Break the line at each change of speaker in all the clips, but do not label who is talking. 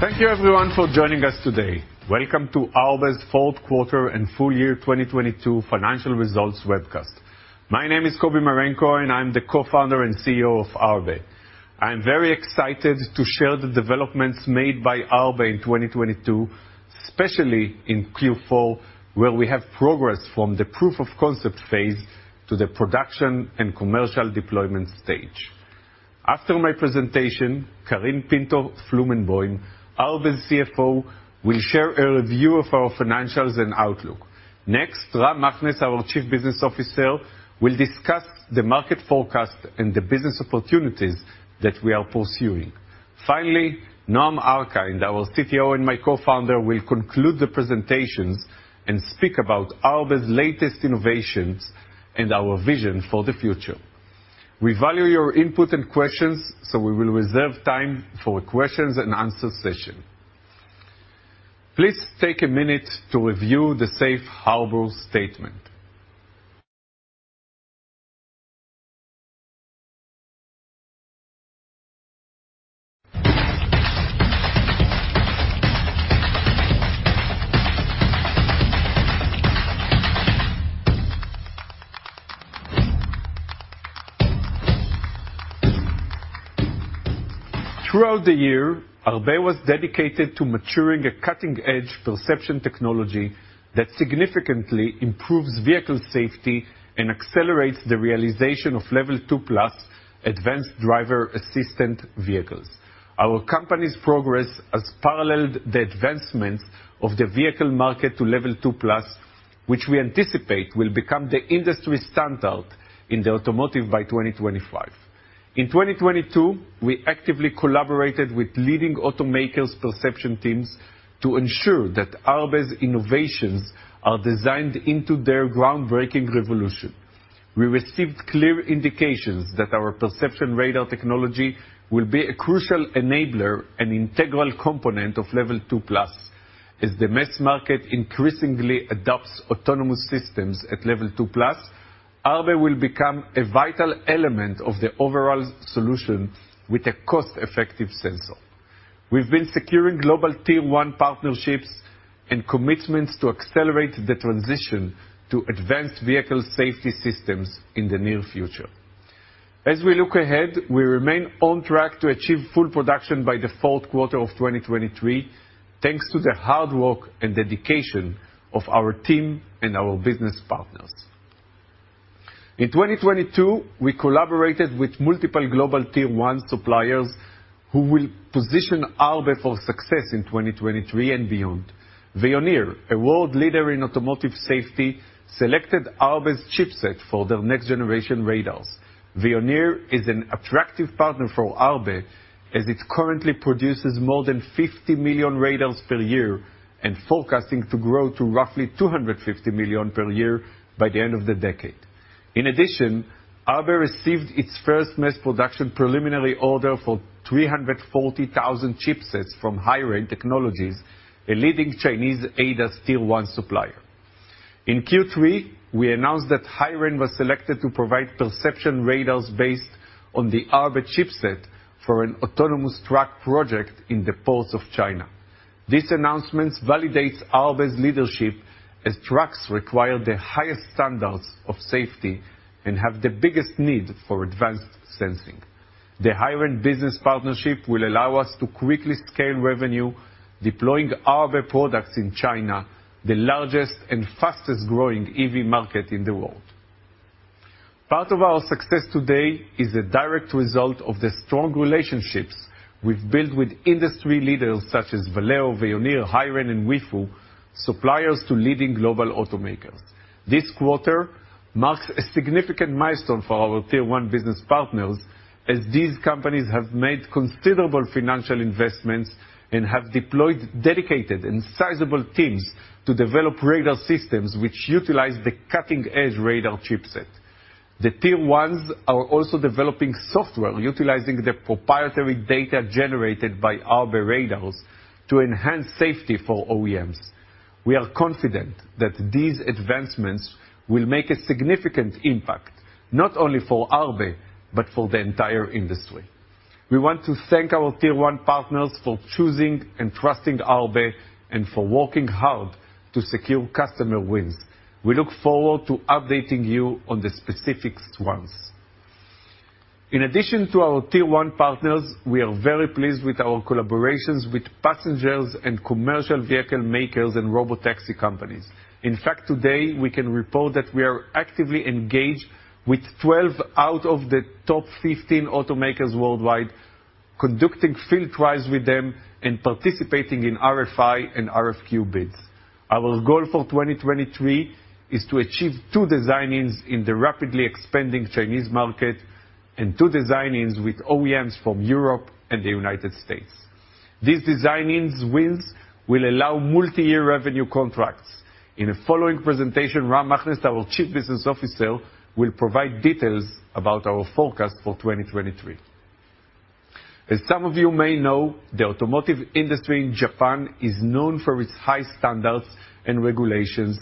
Thank you everyone for joining us today. Welcome to Arbe's fourth quarter and full year 2022 financial results webcast. My name is Kobi Marenko, and I'm the Co-Founder and CEO of Arbe. I'm very excited to share the developments made by Arbe in 2022, especially in Q4, where we have progressed from the proof of concept phase to the production and commercial deployment stage. After my presentation, Karine Pinto-Flomenboim, Arbe's CFO, will share a review of our financials and outlook. Ram Machness, our Chief Business Officer, will discuss the market forecast and the business opportunities that we are pursuing. Noam Arkind, our CTO and my Co-Founder, will conclude the presentations and speak about Arbe's latest innovations and our vision for the future. We value your input and questions. We will reserve time for questions-and-answer session. Please take a minute to review the Safe Harbor statement. Throughout the year, Arbe was dedicated to maturing a cutting-edge perception technology that significantly improves vehicle safety and accelerates the realization of Level 2+ advanced driver assistance vehicles. Our company's progress has paralleled the advancement of the vehicle market to Level 2+, which we anticipate will become the industry standard in the automotive by 2025. In 2022, we actively collaborated with leading automakers perception teams to ensure that Arbe's innovations are designed into their groundbreaking revolution. We received clear indications that our Perception Radar technology will be a crucial enabler and integral component of Level 2+. As the mass market increasingly adopts autonomous systems at Level 2+, Arbe will become a vital element of the overall solution with a cost-effective sensor. We've been securing global Tier 1 partnerships and commitments to accelerate the transition to advanced vehicle safety systems in the near future. As we look ahead, we remain on track to achieve full production by the fourth quarter of 2023, thanks to the hard work and dedication of our team and our business partners. In 2022, we collaborated with multiple global Tier 1 suppliers who will position Arbe for success in 2023 and beyond. Veoneer, a world leader in automotive safety, selected Arbe's chipset for their next-generation radars. Veoneer is an attractive partner for Arbe as it currently produces more than 50 million radars per year and forecasting to grow to roughly 250 million per year by the end of the decade. Arbe received its first mass production preliminary order for 340,000 chipsets from HiRain Technologies, a leading Chinese ADAS Tier 1 supplier. In Q3, we announced that HiRain was selected to provide Perception Radars based on the Arbe chipset for an autonomous truck project in the ports of China. This announcement validates Arbe's leadership as trucks require the highest standards of safety and have the biggest need for advanced sensing. The HiRain business partnership will allow us to quickly scale revenue, deploying Arbe products in China, the largest and fastest-growing EV market in the world. Part of our success today is a direct result of the strong relationships we've built with industry leaders such as Valeo, Veoneer, HiRain, and Weifu, suppliers to leading global automakers. This quarter marks a significant milestone for our Tier 1 business partners as these companies have made considerable financial investments and have deployed dedicated and sizable teams to develop radar systems which utilize the cutting-edge radar chipset. The Tier 1s are also developing software utilizing the proprietary data generated by Arbe radars to enhance safety for OEMs. We are confident that these advancements will make a significant impact, not only for Arbe, but for the entire industry. We want to thank our Tier 1 partners for choosing and trusting Arbe and for working hard to secure customer wins. We look forward to updating you on the specific ones. In addition to our Tier 1 partners, we are very pleased with our collaborations with passengers and commercial vehicle makers and robotaxi companies. In fact, today we can report that we are actively engaged with 12 out of the top 15 automakers worldwide, conducting field trials with them and participating in RFI and RFQ bids. Our goal for 2023 is to achieve two design-ins in the rapidly expanding Chinese market and two design-ins with OEMs from Europe and the United States. These design-ins wins will allow multiyear revenue contracts. In the following presentation, Ram Machness, our Chief Business Officer, will provide details about our forecast for 2023. As some of you may know, the automotive industry in Japan is known for its high standards and regulations,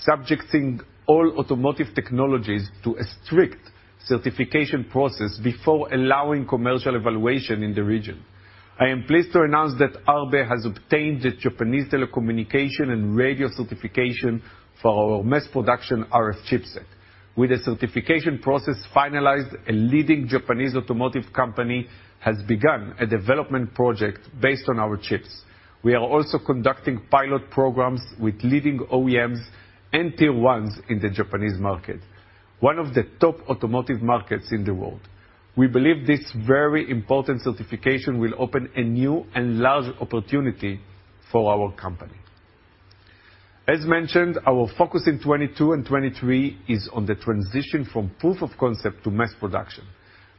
subjecting all automotive technologies to a strict certification process before allowing commercial evaluation in the region. I am pleased to announce that Arbe has obtained the Japanese telecommunication and radio certification for our mass production RF chipset. With the certification process finalized, a leading Japanese automotive company has begun a development project based on our chips. We are also conducting pilot programs with leading OEMs and Tier 1s in the Japanese market, one of the top automotive markets in the world. We believe this very important certification will open a new and large opportunity for our company. As mentioned, our focus in 2022 and 2023 is on the transition from proof of concept to mass production.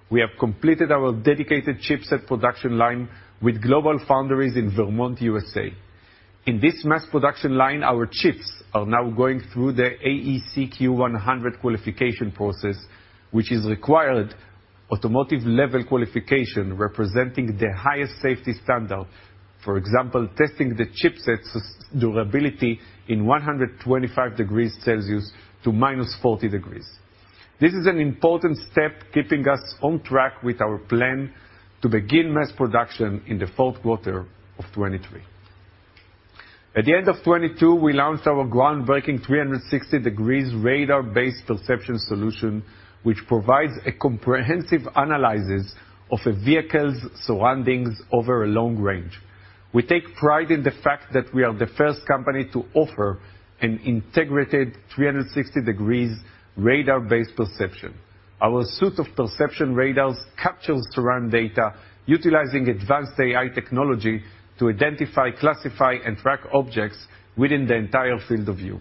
We have completed our dedicated chipset production line with GlobalFoundries in Vermont, USA. In this mass production line, our chips are now going through the AEC-Q100 qualification process, which is required automotive level qualification representing the highest safety standard. For example, testing the chipsets durability in 125 degrees Celsius to -40 degrees. This is an important step keeping us on track with our plan to begin mass production in the fourth quarter of 2023. At the end of 2022, we launched our groundbreaking 360 degrees Radar-Based Perception solution, which provides a comprehensive analysis of a vehicle's surroundings over a long range. We take pride in the fact that we are the first company to offer an integrated 360 degrees Radar-Based Perception. Our suite of Perception Radars captures surround data utilizing advanced AI technology to identify, classify, and track objects within the entire field of view.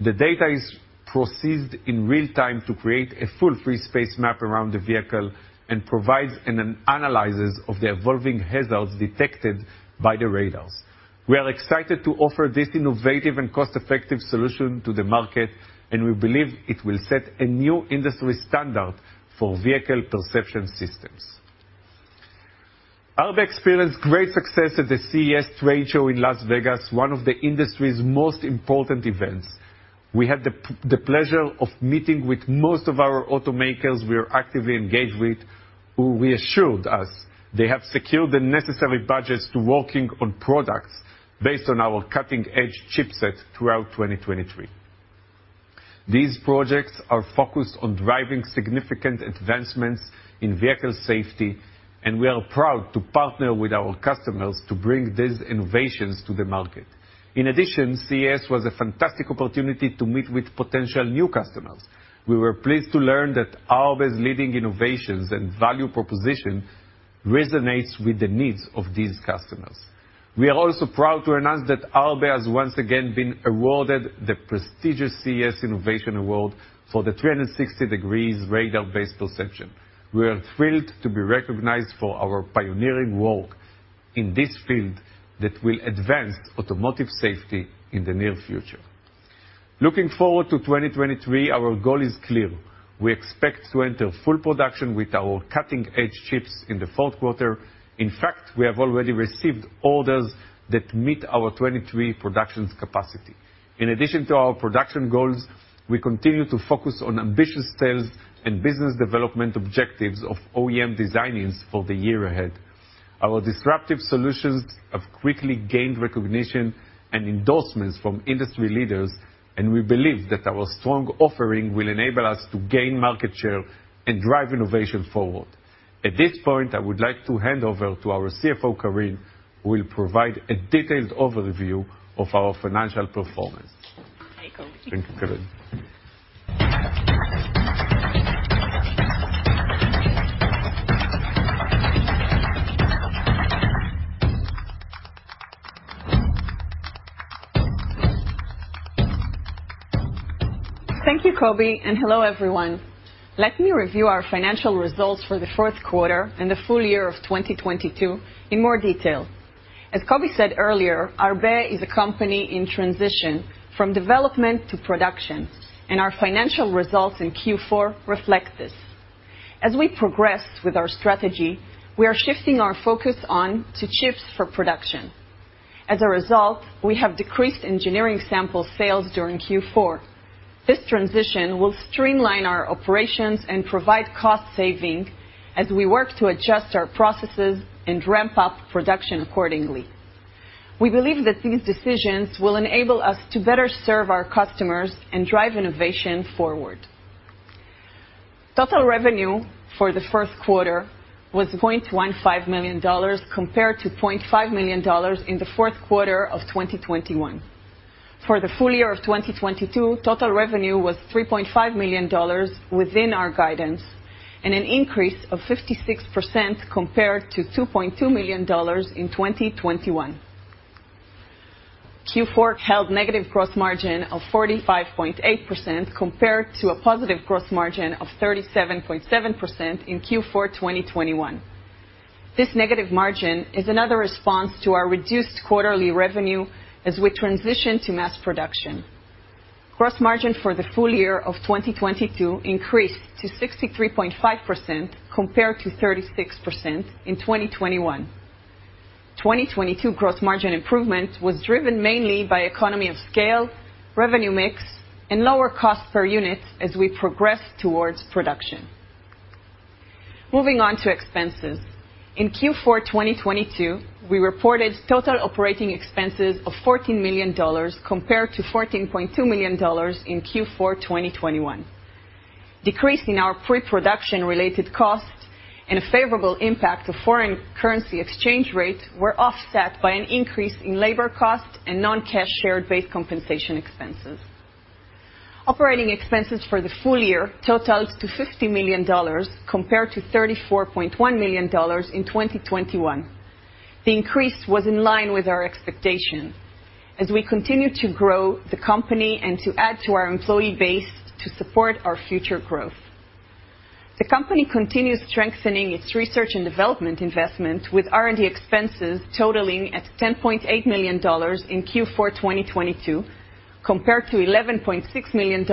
The data is processed in real-time to create a full free space map around the vehicle and provides an analysis of the evolving hazards detected by the radars. We are excited to offer this innovative and cost-effective solution to the market. We believe it will set a new industry standard for vehicle perception systems. Arbe experienced great success at the CES trade show in Las Vegas, one of the industry's most important events. We had the pleasure of meeting with most of our automakers we are actively engaged with, who reassured us they have secured the necessary budgets to working on products based on our cutting-edge chipset throughout 2023. These projects are focused on driving significant advancements in vehicle safety. We are proud to partner with our customers to bring these innovations to the market. In addition, CES was a fantastic opportunity to meet with potential new customers. We were pleased to learn that Arbe's leading innovations and value proposition resonates with the needs of these customers. We are also proud to announce that Arbe has once again been awarded the prestigious CES Innovation Award for the 360 degrees Radar-Based Perception. We are thrilled to be recognized for our pioneering work in this field that will advance automotive safety in the near future. Looking forward to 2023, our goal is clear. We expect to enter full production with our cutting-edge chips in the fourth quarter. In fact, we have already received orders that meet our 2023 production capacity. In addition to our production goals, we continue to focus on ambitious sales and business development objectives of OEM design-ins for the year ahead. Our disruptive solutions have quickly gained recognition and endorsements from industry leaders, and we believe that our strong offering will enable us to gain market share and drive innovation forward. At this point, I would like to hand over to our CFO, Karine, who will provide a detailed overview of our financial performance.
Hi, Kobi.
Thank you, Karine.
Thank you, Kobi. Hello everyone. Let me review our financial results for the fourth quarter and the full year of 2022 in more detail. As Kobi said earlier, Arbe is a company in transition from development to production, and our financial results in Q4 reflect this. As we progress with our strategy, we are shifting our focus on to chips for production. As a result, we have decreased engineering sample sales during Q4. This transition will streamline our operations and provide cost saving as we work to adjust our processes and ramp up production accordingly. We believe that these decisions will enable us to better serve our customers and drive innovation forward. Total revenue for the first quarter was $0.15 million compared to $0.5 million in the fourth quarter of 2021. For the full year of 2022, total revenue was $3.5 million within our guidance and an increase of 56% compared to $2.2 million in 2021. Q4 held negative gross margin of 45.8% compared to a positive gross margin of 37.7% in Q4 2021. This negative margin is another response to our reduced quarterly revenue as we transition to mass production. Gross margin for the full year of 2022 increased to 63.5% compared to 36% in 2021. 2022 gross margin improvement was driven mainly by economy of scale, revenue mix, and lower cost per unit as we progress towards production. Moving on to expenses. In Q4 2022, we reported total operating expenses of $14 million compared to $14.2 million in Q4 2021. Decrease in our pre-production related costs and a favorable impact to foreign currency exchange rates were offset by an increase in labor cost and non-cash share-based compensation expenses. Operating expenses for the full year totaled to $50 million compared to $34.1 million in 2021. The increase was in line with our expectations as we continue to grow the company and to add to our employee base to support our future growth. The company continues strengthening its research and development investment with R&D expenses totaling at $10.8 million in Q4 2022, compared to $11.6 million in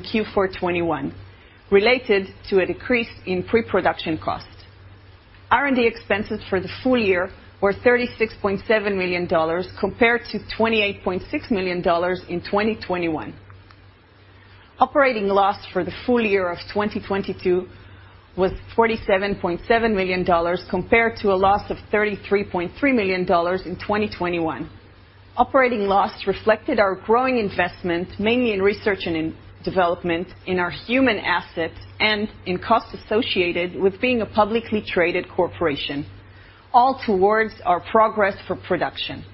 Q4 2021, related to a decrease in pre-production cost. R&D expenses for the full year were $36.7 million compared to $28.6 million in 2021. Operating loss for the full year of 2022 was $47.7 million compared to a loss of $33.3 million in 2021. Operating loss reflected our growing investments, mainly in research and in development in our human assets and in costs associated with being a publicly traded corporation, all towards our progress for production.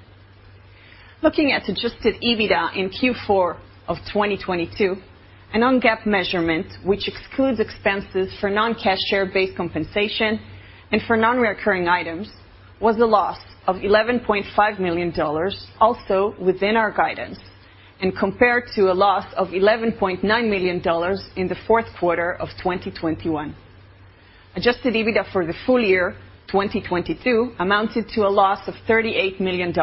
Looking at Adjusted EBITDA in Q4 of 2022, a non-GAAP measurement, which excludes expenses for non-cash share-based compensation and for non-recurring items, was a loss of $11.5 million, also within our guidance, and compared to a loss of $11.9 million in the fourth quarter of 2021. Adjusted EBITDA for the full year 2022 amounted to a loss of $38 million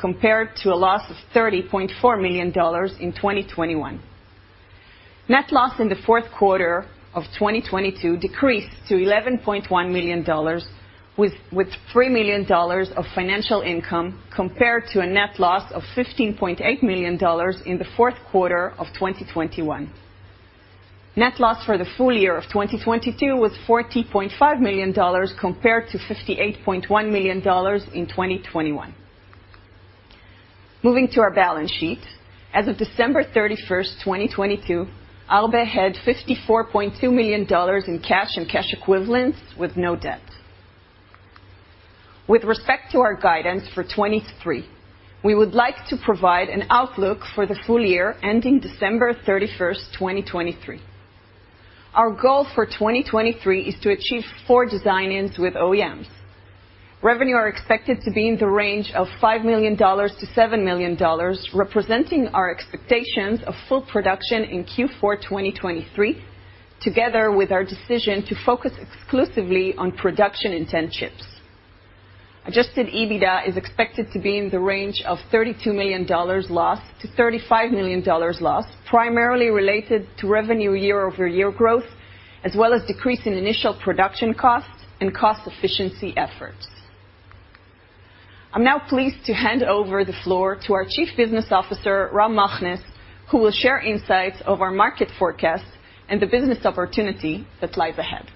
compared to a loss of $30.4 million in 2021. Net loss in the fourth quarter of 2022 decreased to $11.1 million with $3 million of financial income compared to a net loss of $15.8 million in the fourth quarter of 2021. Net loss for the full year of 2022 was $40.5 million compared to $58.1 million in 2021. Moving to our balance sheet. As of December 31st, 2022, Arbe had $54.2 million in cash and cash equivalents, with no debt. With respect to our guidance for 2023, we would like to provide an outlook for the full year ending December 31st, 2023. Our goal for 2023 is to achieve four design-ins with OEMs. Revenue are expected to be in the range of $5 million-$7 million, representing our expectations of full production in Q4 2023, together with our decision to focus exclusively on production intent chips. Adjusted EBITDA is expected to be in the range of $32 million loss-$35 million loss, primarily related to revenue year-over-year growth, as well as decrease in initial production costs and cost efficiency efforts. I'm now pleased to hand over the floor to our Chief Business Officer, Ram Machness, who will share insights of our market forecasts and the business opportunity that lies ahead.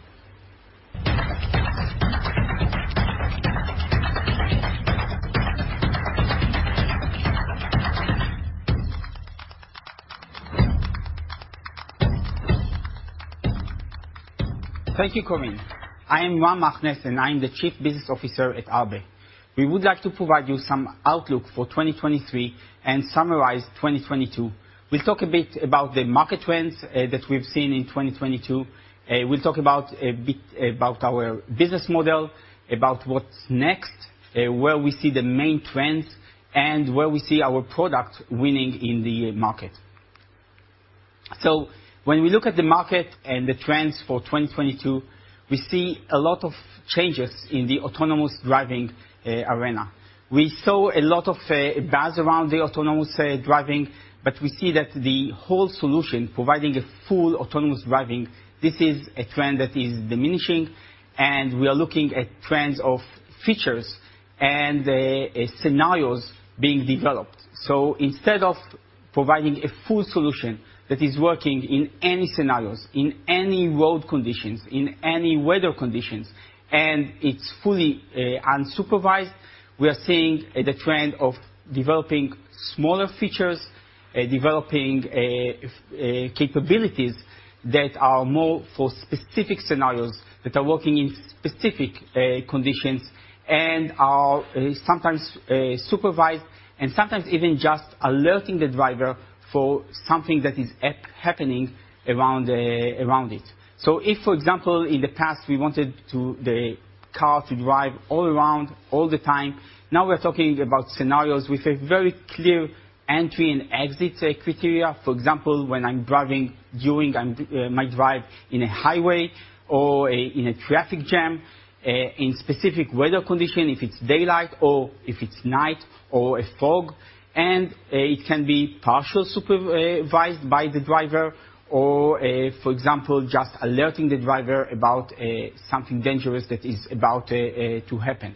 Thank you, Karine. I am Ram Machness, and I am the Chief Business Officer at Arbe. We would like to provide you some outlook for 2023 and summarize 2022. We'll talk a bit about the market trends that we've seen in 2022. We'll talk a bit about our business model, about what's next, where we see the main trends and where we see our product winning in the market. When we look at the market and the trends for 2022, we see a lot of changes in the autonomous driving arena. We saw a lot of buzz around the autonomous driving, but we see that the whole solution providing a full autonomous driving, this is a trend that is diminishing, and we are looking at trends of features and scenarios being developed. Instead of providing a full solution that is working in any scenarios, in any road conditions, in any weather conditions, and it's fully unsupervised, we are seeing the trend of developing smaller features, developing capabilities that are more for specific scenarios that are working in specific conditions and are sometimes supervised and sometimes even just alerting the driver for something that is happening around it. If, for example, in the past, we wanted the car to drive all around all the time, now we're talking about scenarios with a very clear entry and exit criteria. For example, when I'm driving during my drive in a highway or in a traffic jam, in specific weather condition, if it's daylight or if it's night or a fog. It can be partial supervised by the driver or, for example, just alerting the driver about something dangerous that is about to happen.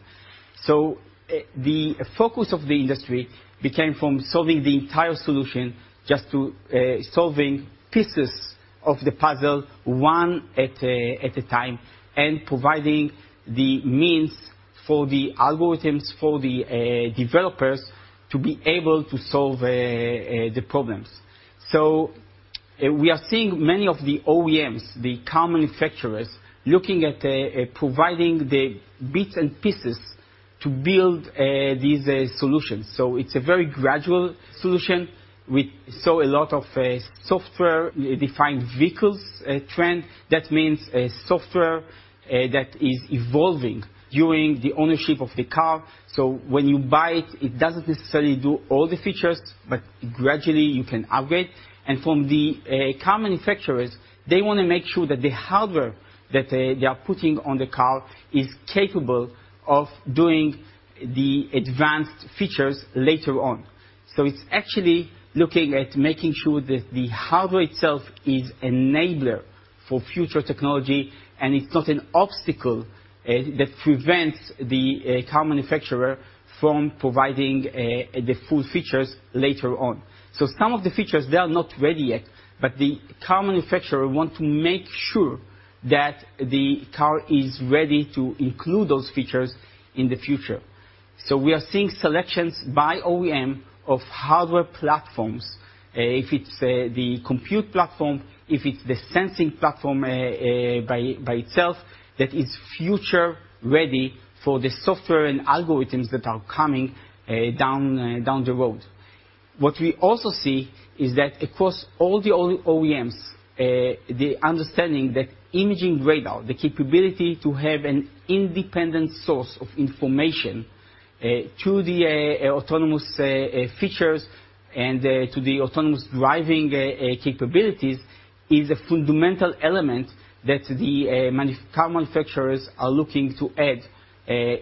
The focus of the industry became from solving the entire solution just to solving pieces of the puzzle, one at a time, and providing the means for the algorithms, for the developers to be able to solve the problems. We are seeing many of the OEMs, the car manufacturers, looking at providing the bits and pieces to build these solutions. It's a very gradual solution. We saw a lot of software-defined vehicles trend. That means a software that is evolving during the ownership of the car. When you buy it doesn't necessarily do all the features, but gradually you can upgrade. From the car manufacturers, they wanna make sure that the hardware that they are putting on the car is capable of doing the advanced features later on. It's actually looking at making sure that the hardware itself is enabler for future technology, and it's not an obstacle that prevents the car manufacturer from providing the full features later on. Some of the features, they are not ready yet, but the car manufacturer want to make sure that the car is ready to include those features in the future. We are seeing selections by OEM of hardware platforms, if it's the compute platform, if it's the sensing platform, by itself, that is future-ready for the software and algorithms that are coming down the road. What we also see is that across all the OEMs, the understanding that imaging radar, the capability to have an independent source of information, to the autonomous features and to the autonomous driving capabilities, is a fundamental element that the car manufacturers are looking to add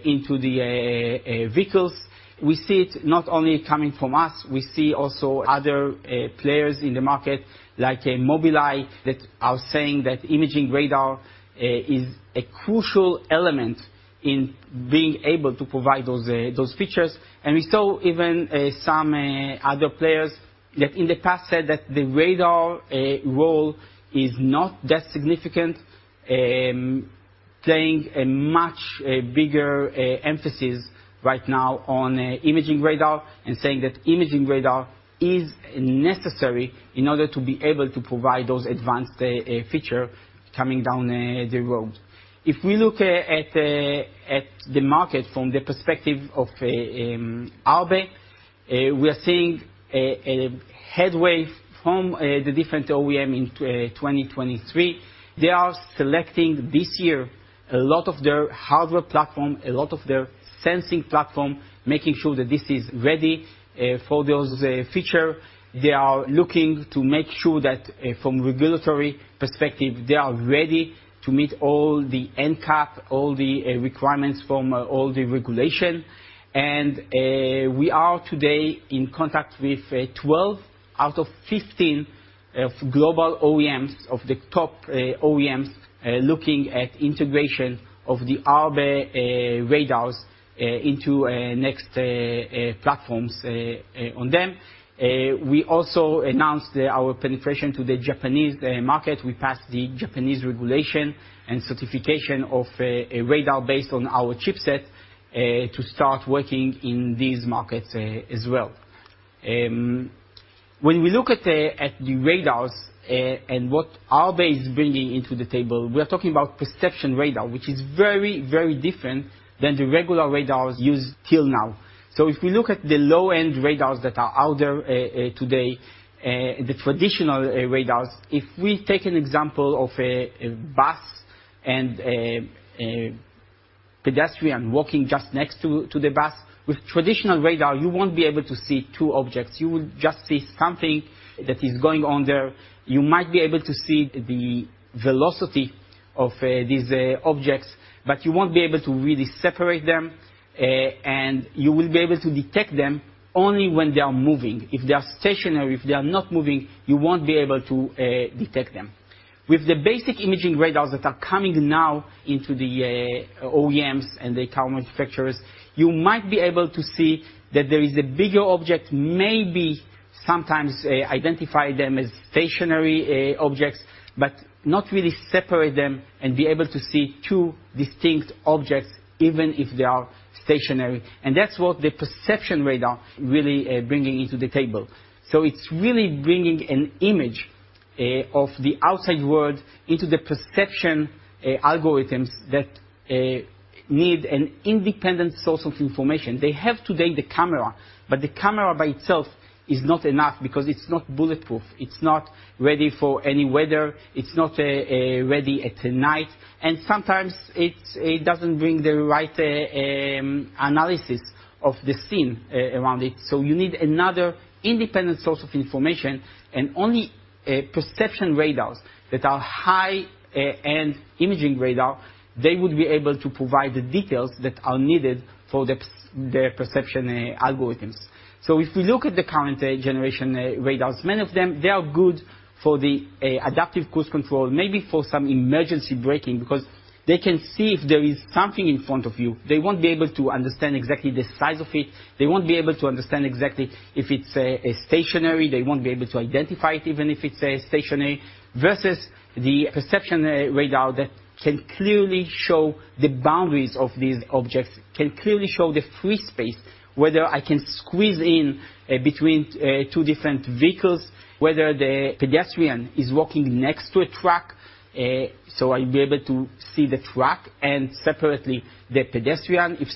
into the vehicles. We see it not only coming from us, we see also other players in the market, like Mobileye that are saying that imaging radar is a crucial element in being able to provide those features. Some other players that in the past said that the radar role is not that significant, playing a much bigger emphasis right now on imaging radar and saying that imaging radar is necessary in order to be able to provide those advanced feature coming down the road. If we look at the market from the perspective of Arbe, we are seeing a headway from the different OEM in 2023. They are selecting this year a lot of their hardware platform, a lot of their sensing platform, making sure that this is ready for those feature. They are looking to make sure that from regulatory perspective, they are ready to meet all the NCAP, all the requirements from all the regulation. We are today in contact with 12 out of 15 of global OEMs, of the top OEMs, looking at integration of the Arbe radars into next platforms on them. We also announced our penetration to the Japanese market. We passed the Japanese regulation and certification of a radar based on our chipset to start working in these markets as well. When we look at at the radars and what Arbe is bringing into the table, we are talking about Perception Radar, which is very, very different than the regular radars used till now. If we look at the low-end radars that are out there today, the traditional radars, if we take an example of a bus and a pedestrian walking just next to the bus, with traditional radar, you won't be able to see two objects. You will just see something that is going on there. You might be able to see the velocity of these objects, but you won't be able to really separate them. You will be able to detect them only when they are moving. If they are stationary, if they are not moving, you won't be able to detect them. With the basic imaging radars that are coming now into the OEMs and the car manufacturers, you might be able to see that there is a bigger object, maybe sometimes identify them as stationary objects, but not really separate them and be able to see two distinct objects, even if they are stationary. That's what the Perception Radar really bringing into the table. It's really bringing an image of the outside world into the perception algorithms that need an independent source of information. They have today the camera, but the camera by itself is not enough because it's not bulletproof, it's not ready for any weather, it's not ready at night, and sometimes it doesn't bring the right analysis of the scene around it. You need another independent source of information. Only Perception Radars that are high end imaging radar, they would be able to provide the details that are needed for the perception algorithms. If you look at the current generation radars, many of them, they are good for the adaptive cruise control, maybe for some emergency braking, because they can see if there is something in front of you. They won't be able to understand exactly the size of it, they won't be able to understand exactly if it's stationary, they won't be able to identify it even if it's stationary, versus the Perception Radar that can clearly show the boundaries of these objects, can clearly show the free space, whether I can squeeze in between two different vehicles, whether the pedestrian is walking next to a truck, so I'll be able to see the truck, and separately the pedestrian. If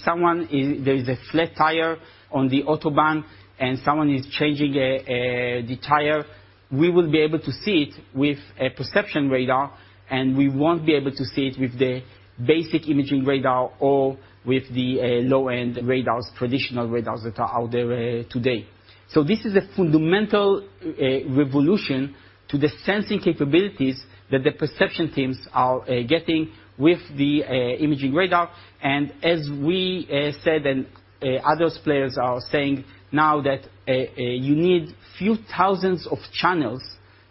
there is a flat tire on the autobahn and someone is changing the tire, we will be able to see it with a Perception Radar, and we won't be able to see it with the basic imaging radar or with the low-end radars, traditional radars that are out there today. This is a fundamental revolution to the sensing capabilities that the perception teams are getting with the imaging radar. As we said and other players are saying now that you need a few thousands of channels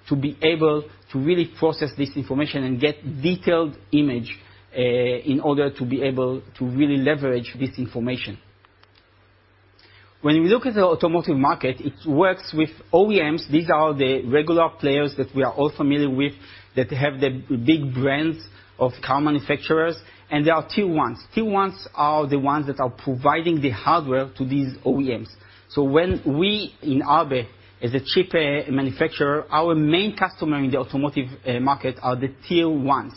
to be able to really process this information and get detailed image in order to be able to really leverage this information. When we look at the automotive market, it works with OEMs. These are the regular players that we are all familiar with that have the big brands of car manufacturers, and there are Tier 1s. Tier 1s are the ones that are providing the hardware to these OEMs. When we in Arbe as a chip manufacturer, our main customer in the automotive market are the Tier 1s.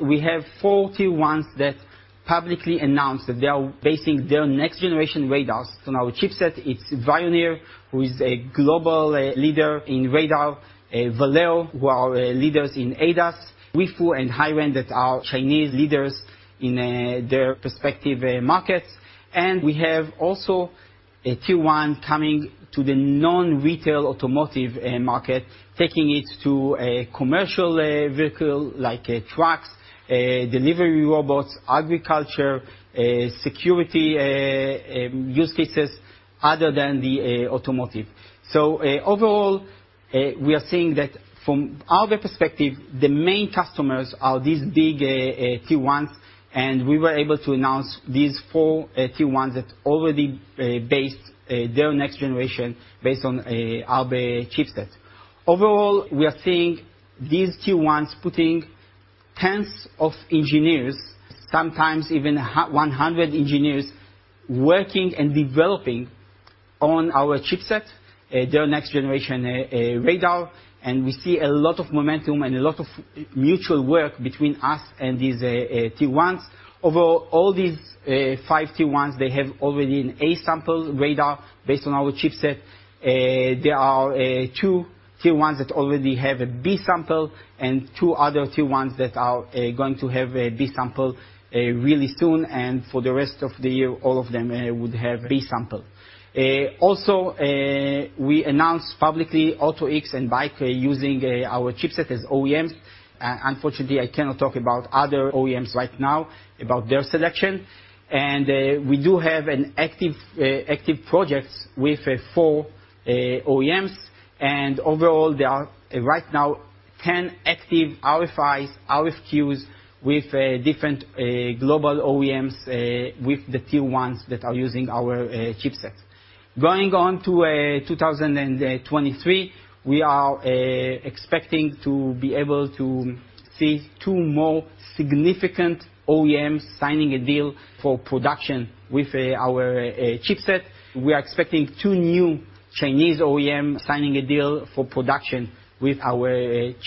We have four Tier 1s that publicly announced that they are basing their next-generation radars on our chipset. It's Veoneer, who is a global leader in radar. Valeo, who are leaders in ADAS. Weifu and HiRain that are Chinese leaders in their respective markets. We have also a Tier 1 coming to the non-retail automotive market, taking it to a commercial vehicle like trucks, delivery robots, agriculture, security use cases other than the automotive. Overall, we are seeing that from our perspective, the main customers are these big Tier 1s, and we were able to announce these four Tier 1s that already based their next-generation based on Arbe chipset. Overall, we are seeing these Tier 1s putting tens of engineers, sometimes even 100 engineers, working and developing on our chipset, their next-generation radar, and we see a lot of momentum and a lot of mutual work between us and these Tier 1s. Overall, all these five Tier 1s, they have already an A-sample radar based on our chipset. There are two Tier 1s that already have a B-sample, and two other Tier 1s that are going to have a B-sample really soon. For the rest of the year, all of them would have B-sample. Also, we announced publicly AutoX and BAIC using our chipset as OEMs. Unfortunately, I cannot talk about other OEMs right now, about their selection. We do have an active projects with four OEMs. Overall, there are, right now, 10 active RFIs, RFQs with different global OEMs, with the Tier 1s that are using our chipset. Going on to 2023, we are expecting to be able to see two more significant OEMs signing a deal for production with our chipset. We are expecting two new Chinese OEM signing a deal for production with our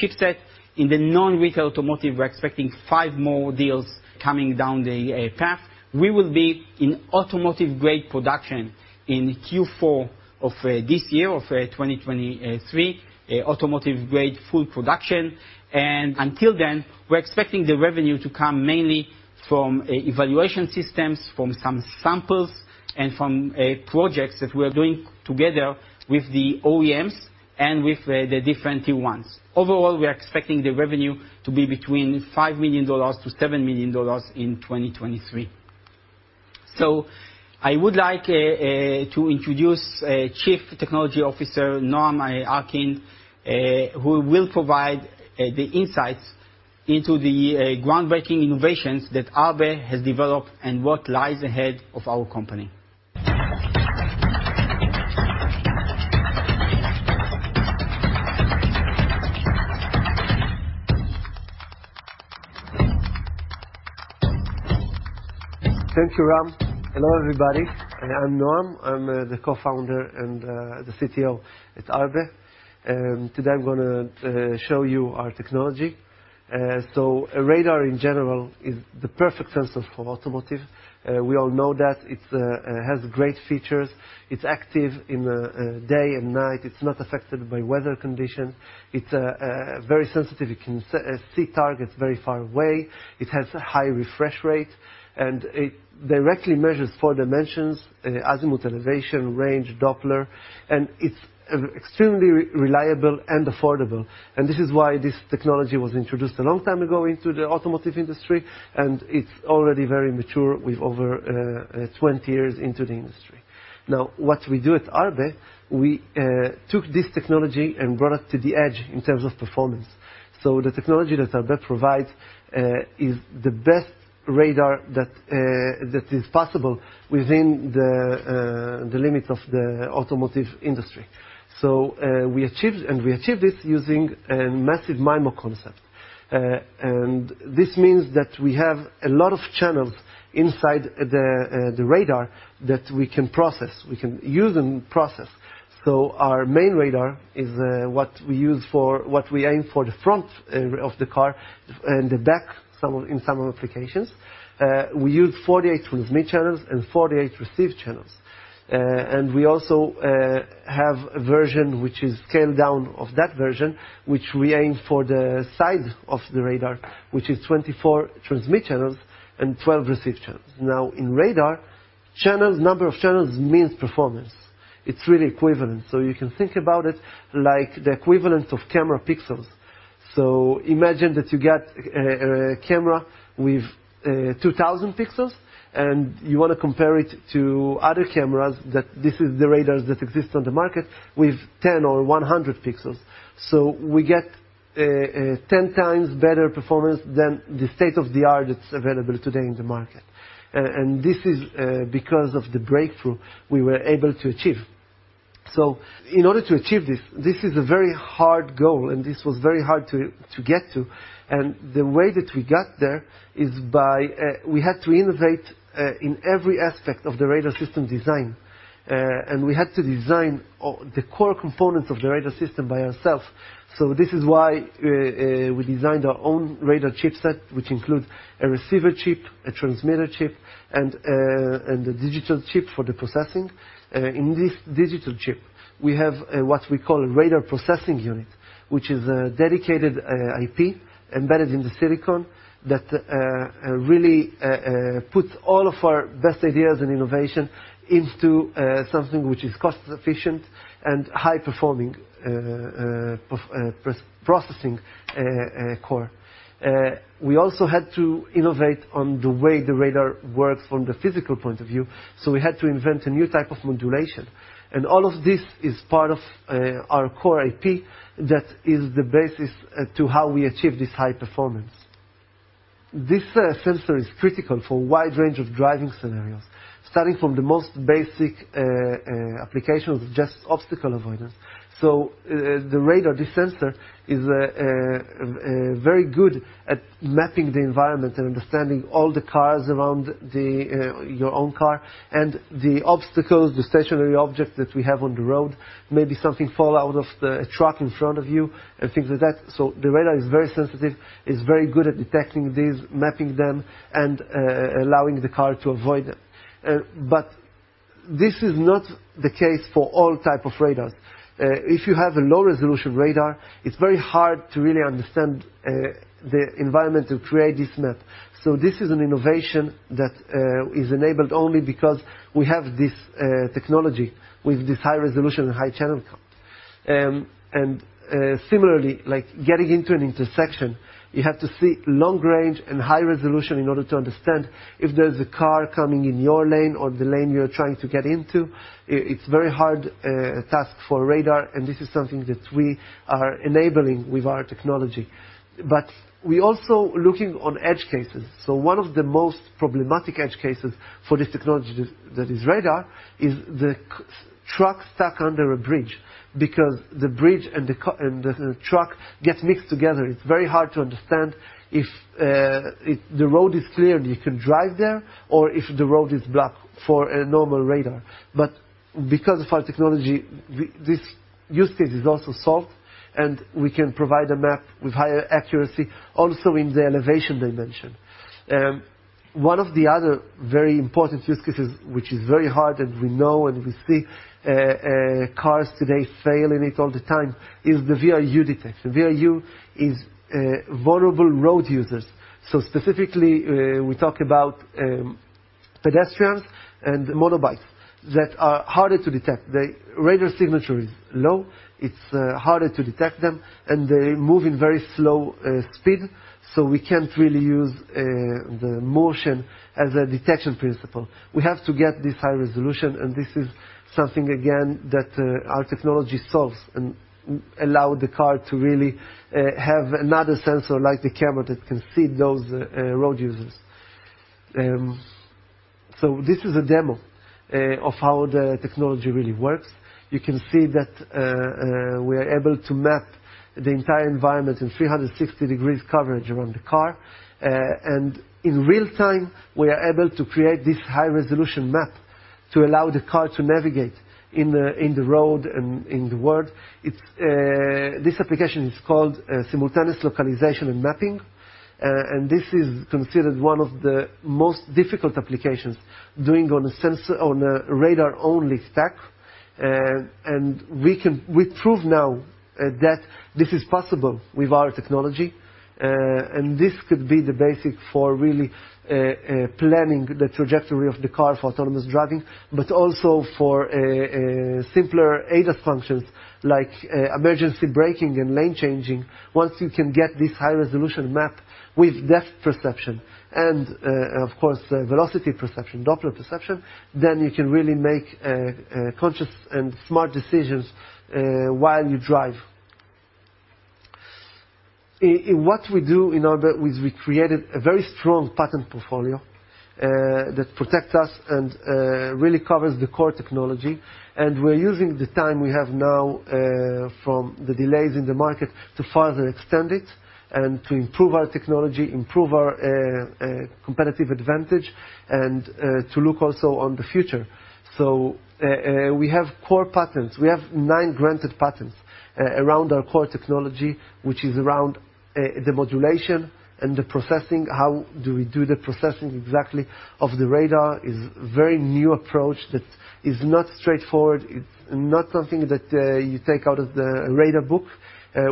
chipset. In the non-retail automotive, we're expecting five more deals coming down the path. We will be in automotive-grade production in Q4 of this year, of 2023, automotive-grade full production. Until then, we're expecting the revenue to come mainly from evaluation systems, from some samples, and from projects that we are doing together with the OEMs and with the different Tier 1s. Overall, we are expecting the revenue to be between $5 million-$7 million in 2023. I would like to introduce Chief Technology Officer Noam Arkind, who will provide the insights into the groundbreaking innovations that Arbe has developed and what lies ahead of our company.
Thank you, Ram. Hello, everybody. I am Noam. I'm the Co-Founder and the CTO at Arbe. Today I'm gonna show you our technology. A radar in general is the perfect sensor for automotive. We all know that. It has great features. It's active in day and night. It's not affected by weather conditions. It's very sensitive. It can see targets very far away. It has a high refresh rate, and it directly measures four dimensions, azimuth, elevation, range, Doppler, and it's extremely reliable and affordable. This is why this technology was introduced a long time ago into the automotive industry, and it's already very mature with over 20 years into the industry. What we do at Arbe, we took this technology and brought it to the edge in terms of performance. The technology that Arbe provides is the best radar that is possible within the limits of the automotive industry. We achieved it using a massive MIMO concept. This means that we have a lot of channels inside the radar that we can process. We can use and process. Our main radar is what we aim for the front of the car and the back, in some applications. We use 48 transmit channels and 48 receive channels. We also have a version which is scaled down of that version, which we aim for the side of the radar, which is 24 transmit channels and 12 receive channels. In radar, channels, number of channels means performance. It's really equivalent. You can think about it like the equivalent of camera pixels. Imagine that you get a camera with 2,000 pixels, and you wanna compare it to other cameras, that this is the radars that exist on the market with 10 or 100 pixels. We get 10x better performance than the state-of-the-art that's available today in the market. This is because of the breakthrough we were able to achieve. In order to achieve this is a very hard goal, and this was very hard to get to. The way that we got there is by we had to innovate in every aspect of the radar system design. We had to design all the core components of the radar system by ourselves. This is why we designed our own radar chipset, which includes a receiver chip, a transmitter chip, and a digital chip for the processing. In this digital chip, we have what we call radar processing unit, which is a dedicated IP embedded in the silicon that really puts all of our best ideas and innovation into something which is cost-efficient and high-performing processing core. We also had to innovate on the way the radar works from the physical point of view, we had to invent a new type of modulation. All of this is part of our core IP that is the basis to how we achieve this high performance. This sensor is critical for a wide range of driving scenarios, starting from the most basic applications, just obstacle avoidance. The radar, this sensor, is very good at mapping the environment and understanding all the cars around your own car and the obstacles, the stationary objects that we have on the road. Maybe something fall out of the truck in front of you and things like that. The radar is very sensitive. It's very good at detecting these, mapping them, and allowing the car to avoid them. This is not the case for all type of radars. If you have a low-resolution radar, it's very hard to really understand the environment to create this map. This is an innovation that is enabled only because we have this technology with this high resolution and high channel count. Similarly, like getting into an intersection, you have to see long range and high resolution in order to understand if there's a car coming in your lane or the lane you're trying to get into. It's very hard task for radar, and this is something that we are enabling with our technology. We also looking on edge cases. One of the most problematic edge cases for this technology that is radar is the truck stuck under a bridge. The bridge and the truck get mixed together, it's very hard to understand if the road is clear and you can drive there or if the road is blocked for a normal radar. Because of our technology, we, this use case is also solved, and we can provide a map with higher accuracy also in the elevation dimension. One of the other very important use cases, which is very hard, and we know, and we see cars today fail in it all the time, is the VRU detection. VRU is vulnerable road users. Specifically, we talk about pedestrians and motorbikes that are harder to detect. The radar signature is low, it's harder to detect them, and they move in very slow speed, we can't really use the motion as a detection principle. We have to get this high resolution, this is something again that our technology solves and allow the car to really have another sensor like the camera that can see those road users. This is a demo of how the technology really works. You can see that we are able to map the entire environment in 360 degrees coverage around the car. In real-time, we are able to create this high-resolution map to allow the car to navigate in the road and in the world. It's this application is called Simultaneous Localization and Mapping. This is considered one of the most difficult applications doing on a radar-only stack. We prove now that this is possible with our technology. This could be the basic for really planning the trajectory of the car for autonomous driving, but also for simpler ADAS functions like emergency braking and lane changing. Once you can get this high-resolution map with depth perception and, of course, velocity perception, Doppler perception, you can really make conscious and smart decisions while you drive. In what we do in Arbe is we created a very strong patent portfolio that protects us and really covers the core technology. We're using the time we have now from the delays in the market to further extend it and to improve our technology, improve our competitive advantage, and to look also on the future. We have core patents. We have nine granted patents around our core technology, which is around the modulation and the processing. How do we do the processing exactly of the radar is very new approach that is not straightforward. It's not something that you take out of the radar book.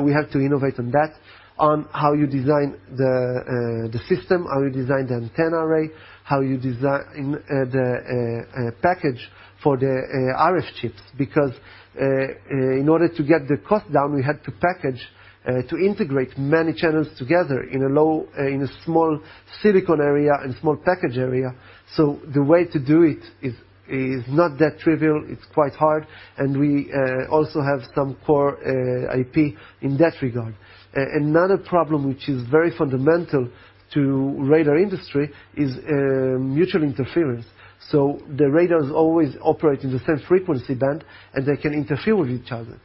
We have to innovate on that, on how you design the system, how you design the antenna array, how you design the package for the RF chips. In order to get the cost down, we had to package, to integrate many channels together in a small silicon area and small package area. The way to do it is not that trivial, it's quite hard. We also have some core IP in that regard. Another problem which is very fundamental to radar industry is mutual interference. The radars always operate in the same frequency band, and they can interfere with each other.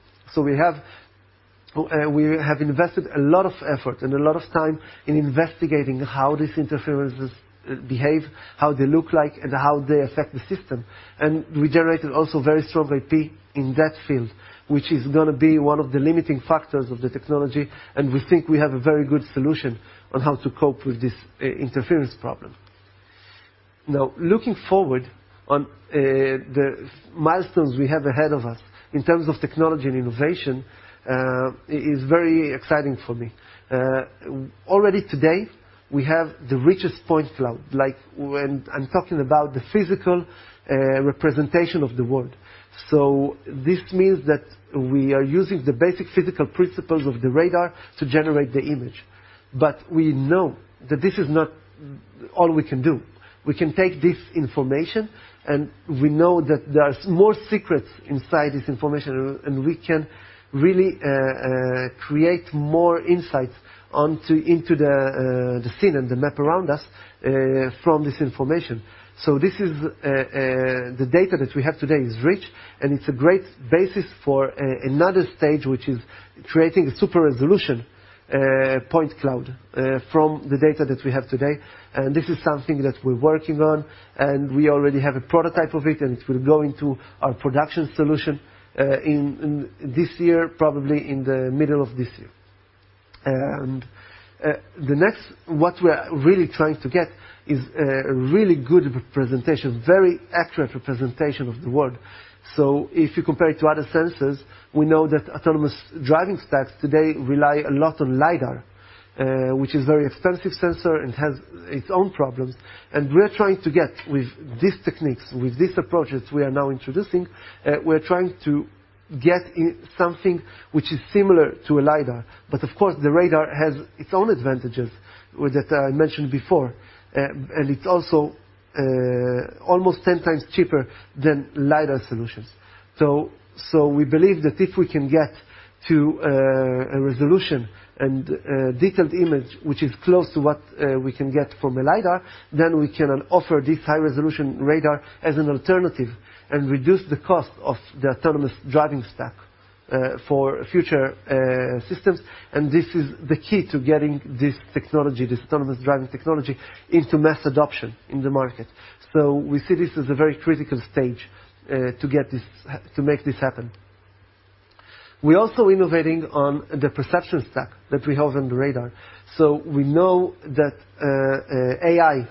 We have invested a lot of effort and a lot of time in investigating how these interferences behave, how they look like, and how they affect the system. We generated also very strong IP in that field, which is going to be one of the limiting factors of the technology, and we think we have a very good solution on how to cope with this interference problem. Now, looking forward on the milestones we have ahead of us in terms of technology and innovation, is very exciting for me. Already today, we have the richest point cloud, like when I'm talking about the physical representation of the world. This means that we are using the basic physical principles of the radar to generate the image. We know that this is not all we can do. We can take this information. We know that there are more secrets inside this information. We can really create more insights onto, into the scene and the map around us from this information. This is the data that we have today is rich. It's a great basis for another stage which is creating a super-resolution point cloud from the data that we have today. This is something that we're working on. We already have a prototype of it. It will go into our production solution in this year, probably in the middle of this year. What we are really trying to get is a really good representation, very accurate representation of the world. If you compare it to other sensors, we know that autonomous driving stacks today rely a lot on LiDAR, which is very expensive sensor and has its own problems. We're trying to get with these techniques, with these approaches we are now introducing, we're trying to get something which is similar to a LiDAR. Of course, the radar has its own advantages with that I mentioned before, and it's also almost 10x cheaper than LiDAR solutions. We believe that if we can get to a resolution and a detailed image, which is close to what we can get from a LiDAR, then we can offer this high-resolution radar as an alternative and reduce the cost of the autonomous driving stack for future systems. This is the key to getting this technology, this autonomous driving technology into mass adoption in the market. We see this as a very critical stage to make this happen. We're also innovating on the perception stack that we have on the radar. We know that AI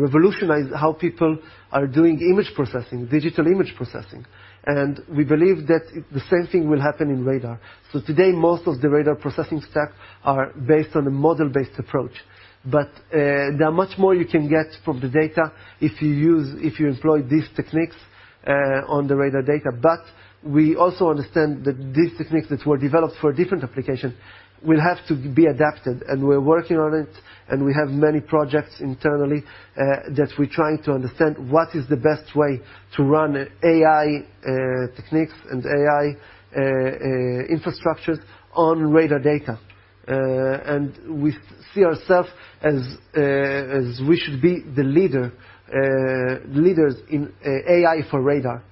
revolutionized how people are doing image processing, digital image processing, and we believe that the same thing will happen in radar. Today, most of the radar processing stack are based on a model-based approach. There are much more you can get from the data if you employ these techniques on the radar data. We also understand that these techniques that were developed for different applications will have to be adapted, and we're working on it, and we have many projects internally that we're trying to understand what is the best way to run AI techniques and AI infrastructures on radar data. We see ourself as we should be the leaders in AI for radar.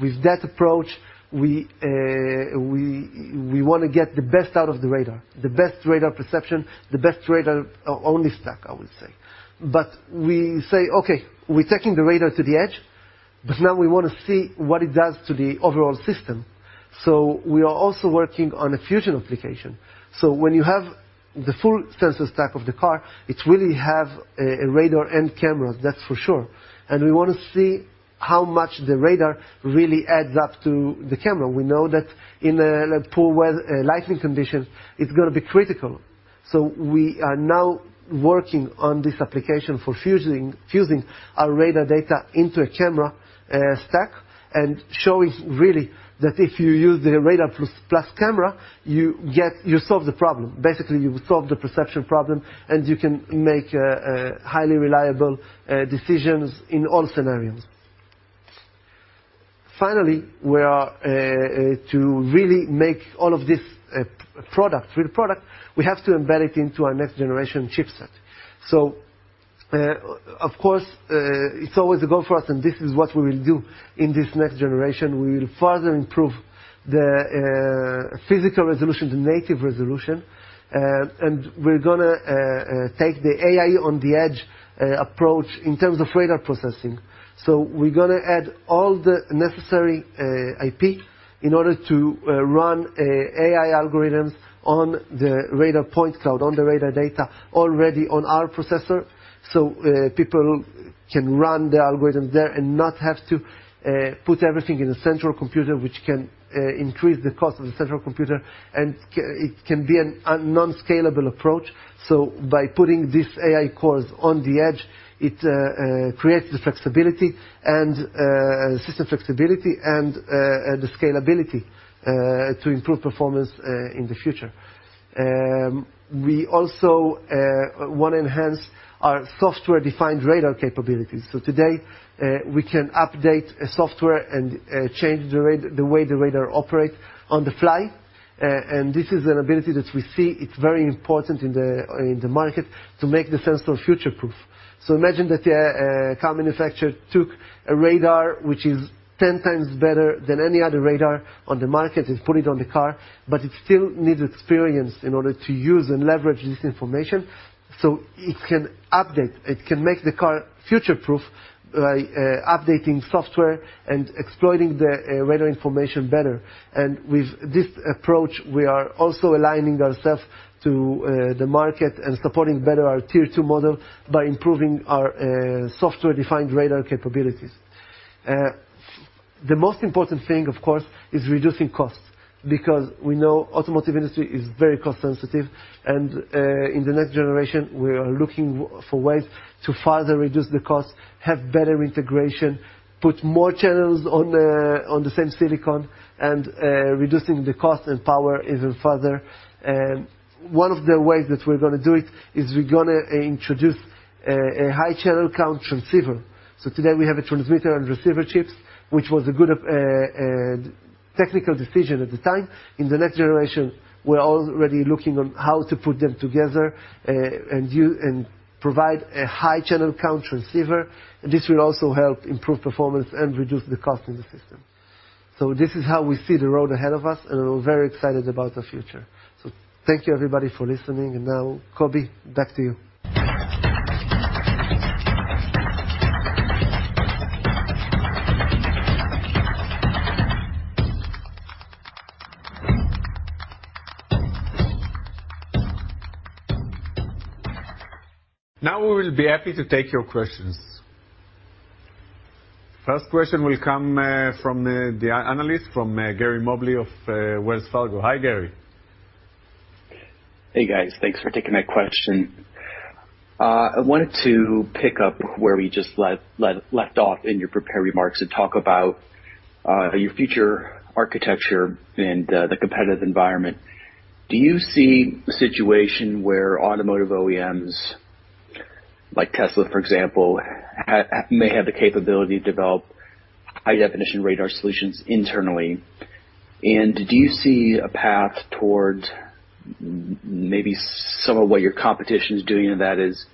With that approach, we want to get the best out of the radar, the best radar perception, the best radar only stack, I would say. We say, okay, we're taking the radar to the edge, but now we want to see what it does to the overall system. We are also working on a fusion application. When you have the full sensor stack of the car, it really have a radar and camera, that's for sure. We want to see how much the radar really adds up to the camera. We know that in poor lighting conditions, it's going to be critical. We are now working on this application for fusing our radar data into a camera stack and showing really that if you use the radar plus camera, you solve the problem. Basically, you solve the perception problem, and you can make highly reliable decisions in all scenarios. Finally, we are to really make all of this a product, real product, we have to embed it into our next-generation chipset. Of course, it's always a goal for us, and this is what we will do. In this next-generation, we will further improve the physical resolution, the native resolution, and we're gonna take the AI on the edge approach in terms of radar processing. We're gonna add all the necessary IP in order to run AI algorithms on the radar point cloud, on the radar data already on our processor. People can run the algorithms there and not have to put everything in a central computer, which can increase the cost of the central computer, and it can be a non-scalable approach. By putting these AI cores on the edge, it creates the flexibility and system flexibility and the scalability to improve performance in the future. We also wanna enhance our software-defined radar capabilities. Today, we can update a software and change the way the radar operates on the fly. This is an ability that we see it's very important in the market to make the sensor future-proof. Imagine that a car manufacturer took a radar which is 10x better than any other radar on the market and put it on the car, but it still needs experience in order to use and leverage this information. It can update, it can make the car future-proof by updating software and exploiting the radar information better. With this approach, we are also aligning ourselves to the market and supporting better our Tier 2 model by improving our software-defined radar capabilities. The most important thing, of course, is reducing costs because we know automotive industry is very cost sensitive and in the next-generation, we are looking for ways to further reduce the cost, have better integration, put more channels on the, on the same silicon, and reducing the cost and power even further. One of the ways that we're gonna do it is we're gonna introduce a high channel count transceiver. Today we have a transmitter and receiver chips, which was a good technical decision at the time. In the next-generation, we're already looking on how to put them together and provide a high channel count transceiver. This will also help improve performance and reduce the cost of the system. This is how we see the road ahead of us, and we're very excited about the future. Thank you, everybody, for listening. Now, Kobi, back to you.
We will be happy to take your questions. First question will come from the analyst, from Gary Mobley of Wells Fargo. Hi, Gary.
Hey, guys. Thanks for taking my question. I wanted to pick up where we just left off in your prepared remarks and talk about your future architecture and the competitive environment. Do you see a situation where automotive OEMs, like Tesla, for example, may have the capability to develop high-definition radar solutions internally? Do you see a path towards maybe some of what your competition is doing, and that is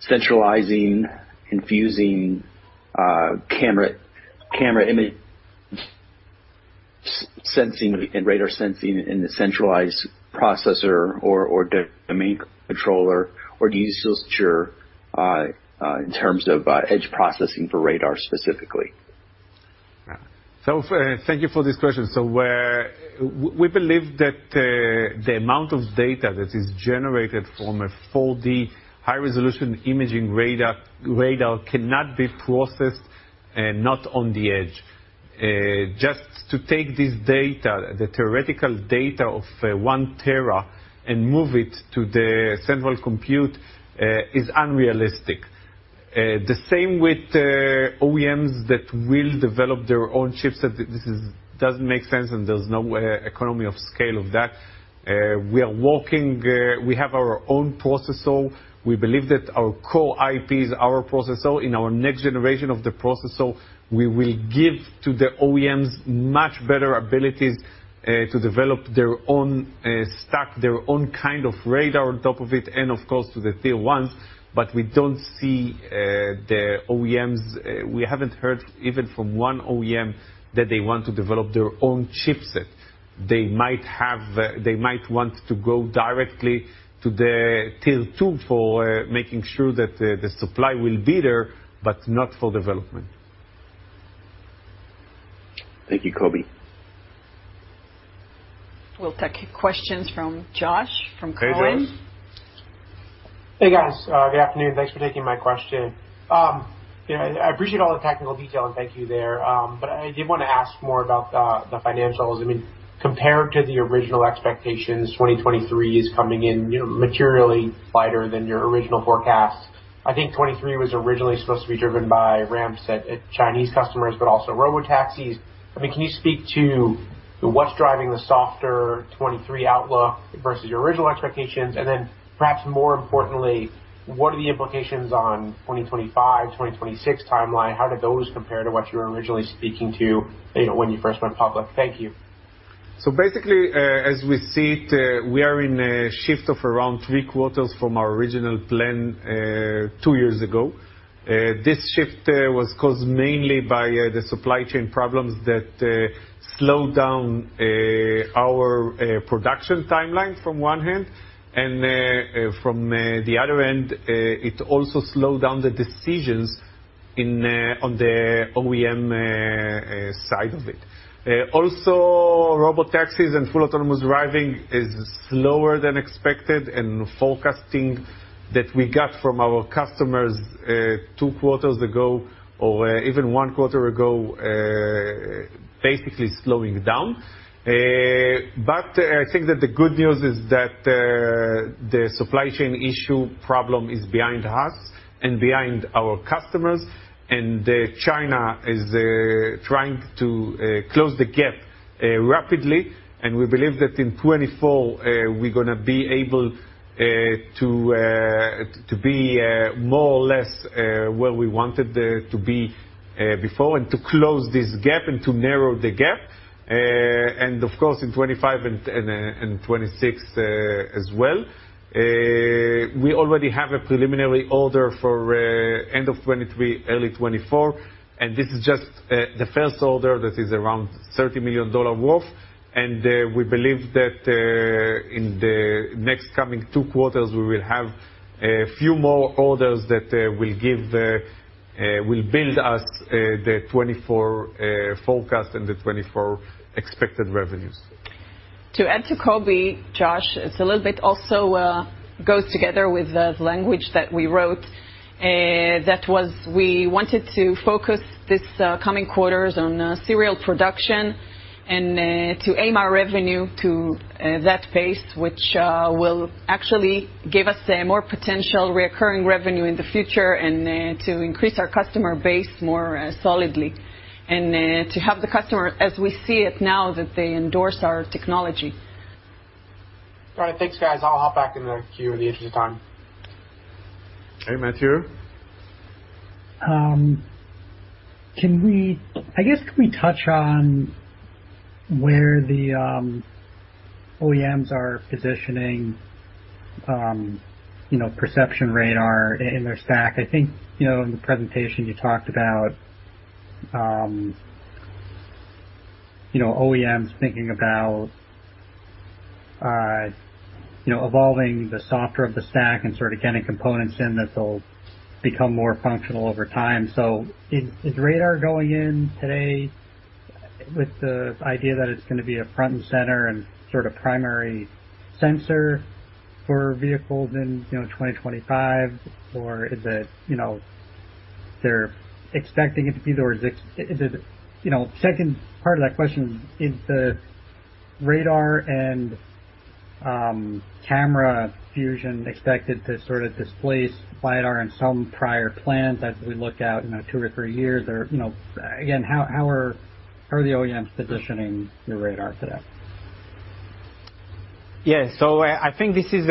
centralizing and fusing camera image sensing and radar sensing in the centralized processor or the main controller, or do you still secure in terms of edge processing for radar specifically?
Thank you for this question. We believe that the amount of data that is generated from a 4D high-resolution imaging radar cannot be processed not on the edge. Just to take this data, the theoretical data of one tera and move it to the central compute is unrealistic. The same with OEMs that will develop their own chips. It doesn't make sense, and there's no economy of scale of that. We are working. We have our own processor. We believe that our core IP is our processor. In our next-generation of the processor, we will give to the OEMs much better abilities to develop their own stack, their own kind of radar on top of it and of course to the Tier 1s. We don't see. We haven't heard even from one OEM that they want to develop their own chipset. They might want to go directly to the Tier 2 for making sure that the supply will be there, but not for development.
Thank you, Kobi.
We'll take questions from Josh from Cowen.
Hey, Josh.
Hey, guys. Good afternoon. Thanks for taking my question. You know, I appreciate all the technical detail, and thank you there. I did wanna ask more about the financials. I mean, compared to the original expectations, 2023 is coming in, you know, materially lighter than your original forecast. I think 2023 was originally supposed to be driven by ramps at Chinese customers, but also robotaxis. I mean, can you speak to what's driving the softer 2023 outlook versus your original expectations? Perhaps more importantly, what are the implications on 2025, 2026 timeline? How do those compare to what you were originally speaking to, you know, when you first went public? Thank you.
Basically, as we see it, we are in a shift of around three quarters from our original plan, two years ago. This shift was caused mainly by the supply chain problems that slowed down our production timeline from one hand, and from the other end, it also slowed down the decisions on the OEM side of it. Also robotaxis and full autonomous driving is slower than expected, and the forecasting that we got from our customers, two quarters ago or even one quarter ago, basically slowing down. I think that the good news is that the supply chain issue problem is behind us and behind our customers, and China is trying to close the gap rapidly. We believe that in 2024, we're gonna be able to to be more or less where we wanted to be before and to close this gap and to narrow the gap. Of course, in 2025 and 2026 as well. We already have a preliminary order for end of 2023, early 2024, and this is just the first order that is around $30 million worth. We believe that in the next coming two quarters, we will have a few more orders that will build us the 2024 forecast and the 2024 expected revenues.
To add to Kobi, Josh, it's a little bit also, goes together with the language that we wrote. We wanted to focus this coming quarters on serial production and to aim our revenue to that pace, which will actually give us more potential recurring revenue in the future and to increase our customer base more solidly. To have the customer, as we see it now, that they endorse our technology.
All right. Thanks, guys. I'll hop back in the queue in the interest of time.
Hey, Matthew.
I guess, can we touch on where the OEMs are positioning, you know, Perception Radar in their stack? I think, you know, in the presentation you talked about, you know, OEMs thinking about, you know, evolving the software of the stack and sort of getting components in that'll become more functional over time. Is radar going in today with the idea that it's gonna be a front and center and sort of primary sensor for vehicles in, you know, 2025? Is it, you know, they're expecting it to be? You know, second part of that question is the radar and camera fusion expected to sort of displace LiDAR in some prior plans as we look out, you know, two or three years? You know, again, how are the OEMs positioning the radar today?
Yeah. I think this is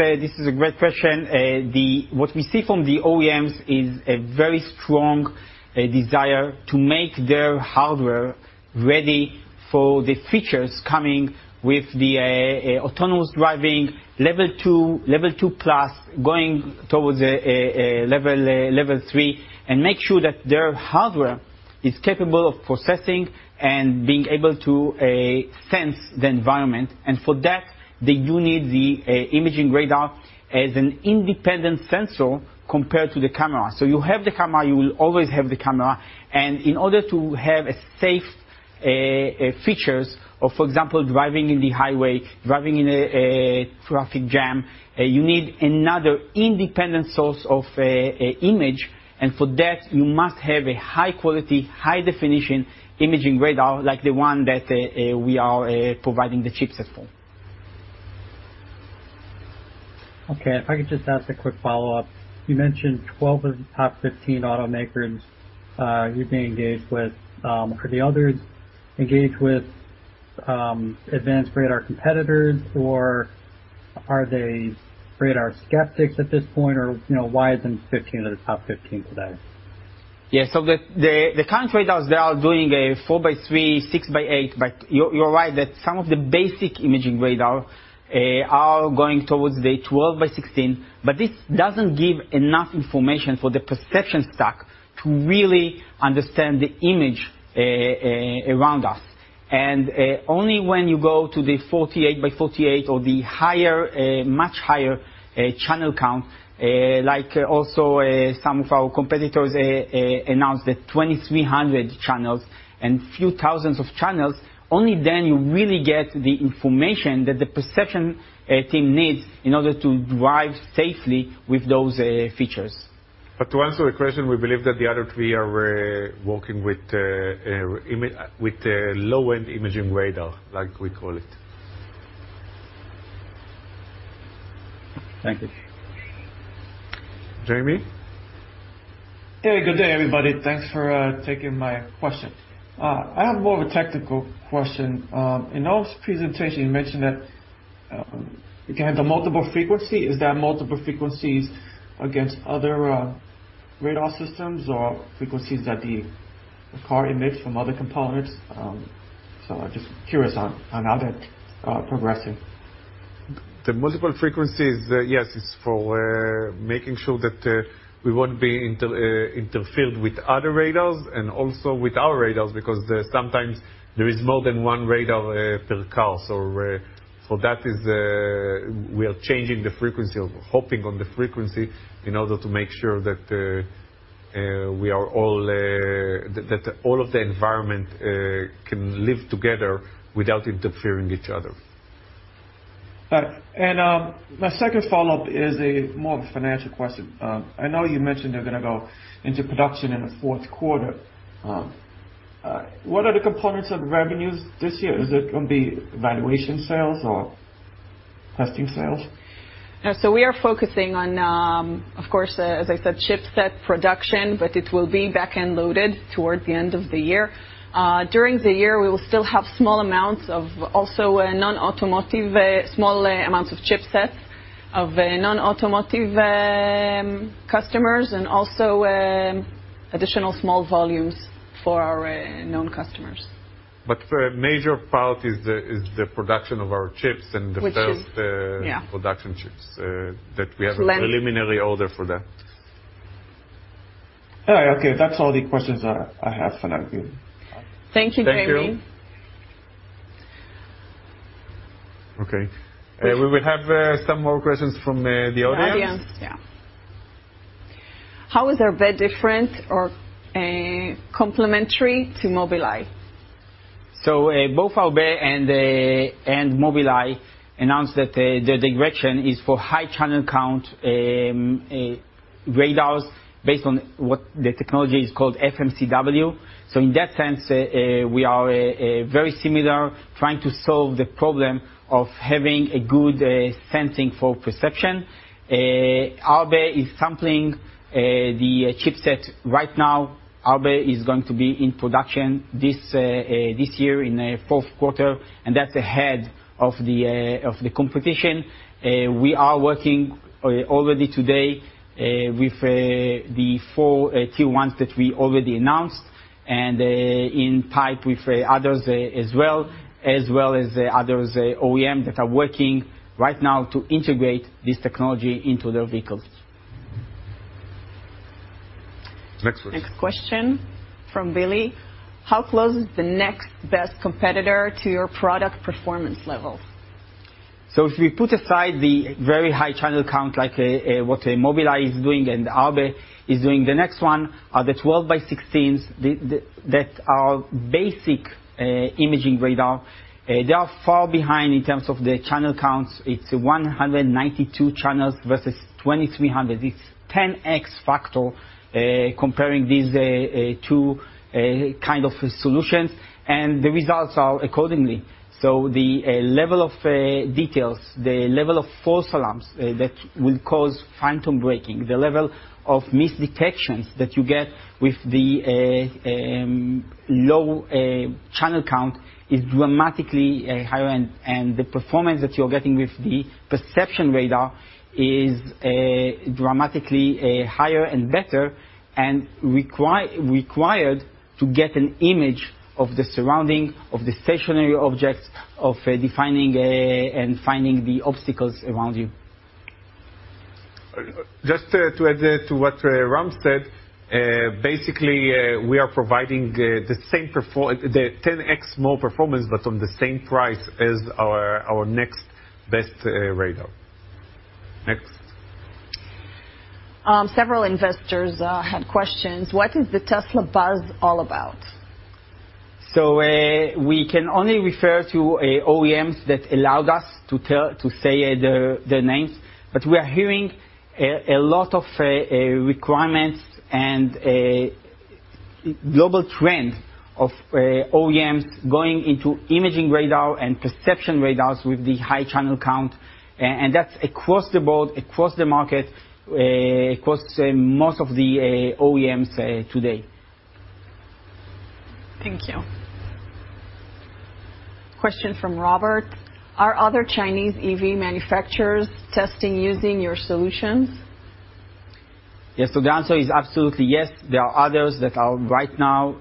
a great question. What we see from the OEMs is a very strong desire to make their hardware ready for the features coming with autonomous driving Level 2, Level 2+, going towards a Level 3, and make sure that their hardware is capable of processing and being able to sense the environment. For that, they do need the imaging radar as an independent sensor compared to the camera. You have the camera, you will always have the camera. In order to have safe features of, for example, driving in the highway, driving in a traffic jam, you need another independent source of image. For that, you must have a high quality, high definition imaging radar like the one that we are providing the chipset for.
Okay. If I could just ask a quick follow-up. You mentioned 12 of the top 15 automakers you've been engaged with. Are the others engaged with advanced radar competitors or are they radar skeptics at this point? You know, why isn't 15 of the top 15 today?
Yeah. The current radars, they are doing a 4 x 3, 6 x 8. But you're right that some of the basic imaging radar are going towards the 12 x 16, but this doesn't give enough information for the perception stack to really understand the image around us. Only when you go to the 48 x 48 or the higher, much higher channel count, like also some of our competitors announced that 2,300 channels and few thousands of channels, only then you really get the information that the perception team needs in order to drive safely with those features.
To answer the question, we believe that the other three are working with a low-end imaging radar, like we call it.
Thank you.
Jamie.
Hey, good day, everybody. Thanks for taking my question. I have more of a technical question. In all this presentation, you mentioned that you can have the multiple frequency. Is there multiple frequencies against other radar systems or frequencies that the car emits from other components? I'm just curious on how that progressing.
The multiple frequencies, yes, it's for making sure that, we won't be interfered with other radars and also with our radars, because sometimes there is more than one radar, per car. That is, we are hopping on the frequency in order to make sure that, we are all, that all of the environment, can live together without interfering each other.
My second follow-up is a more of a financial question. I know you mentioned you're gonna go into production in the fourth quarter. What are the components of revenues this year? Is it gonna be evaluation sales or testing sales?
We are focusing on, of course, as I said, chipset production, but it will be back-end loaded towards the end of the year. During the year, we will still have small amounts of also, non-automotive, small amounts of chipsets, of non-automotive, customers and also, additional small volumes for our known customers.
The major part is the production of our chips and the.
Which is, yeah.
-production chips, that we have-
So then-
A preliminary order for that.
All right. Okay. That's all the questions that I have for now. Thank you.
Thank you, Jamie.
Thank you. Okay. We will have some more questions from the audience.
Yeah. How is Arbe different or complimentary to Mobileye?
Both Arbe and Mobileye announced that the direction is for high channel count radars based on what the technology is called FMCW. In that sense, we are very similar, trying to solve the problem of having a good sensing for perception. Arbe is sampling the chipset right now. Arbe is going to be in production this year in the fourth quarter, and that's ahead of the competition. We are working already today with the four Tier 1s that we already announced and in type with others as well, as well as others OEM that are working right now to integrate this technology into their vehicles.
Next question.
Next question from Billy. How close is the next best competitor to your product performance level?
If we put aside the very high channel count, like what Mobileye is doing and Arbe is doing, the next one are the 12 x 16s that are basic imaging radar. They are far behind in terms of the channel counts. It's 192 channels versus 2,300. It's 10x factor comparing these two kind of solutions, and the results are accordingly. The level of details, the level of false alarms that will cause phantom braking, the level of misdetections that you get with the low channel count is dramatically higher. The performance that you're getting with the Perception Radar is dramatically higher and better and required to get an image of the surrounding, of the stationary objects, of defining and finding the obstacles around you.
Just to add to what Ram said, basically, we are providing the same 10x more performance, but on the same price as our next best radar. Next.
Several investors had questions. What is the Tesla buzz all about?
We can only refer to OEMs that allowed us to say the names, but we are hearing a lot of requirements and global trend of OEMs going into imaging radar and Perception Radars with the high channel count, and that's across the board, across the market, across most of the OEMs today.
Thank you. Question from Robert: Are other Chinese EV manufacturers testing using your solutions?
Yes. The answer is absolutely yes. There are others that are right now